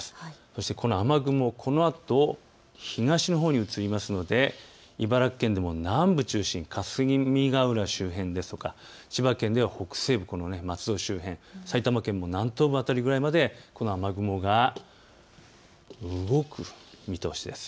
そしてこの雨雲、このあと東のほうに移るので茨城県でも南部を中心に霞ヶ浦周辺ですとか千葉県では北西部、松戸周辺、埼玉県の南東部辺りまで雨雲が動く見通しです。